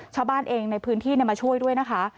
ชาวบ้านเองในพื้นที่มาช่วยด้วยนะคะ